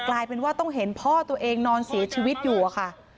กลายเป็นว่าต้องเห็นพ่อตัวเองนอนเสียชีวิตอยู่อะค่ะ